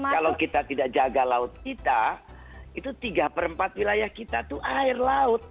kalau kita tidak jaga laut kita itu tiga per empat wilayah kita itu air laut